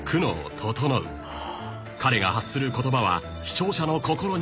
［彼が発する言葉は視聴者の心に強く刺さった］